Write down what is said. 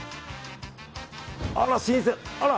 あら新鮮。